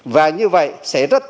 và như vậy sẽ rất đáng đáng đáng